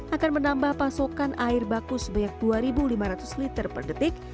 akan menambah pasokan air baku sebanyak dua lima ratus liter per detik